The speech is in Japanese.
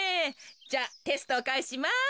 じゃあテストをかえします。